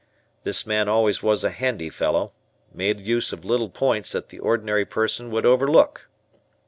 This man always was a handy fellow; made use of little points that the ordinary person would overlook.